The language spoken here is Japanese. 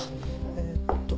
えっと。